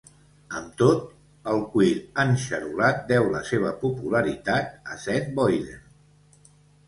Amb tot, el cuir enxarolat deu la seva popularitat a Seth Boyden.